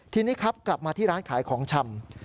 ทีนี้ครับกลับมาที่ร้านขายของชำ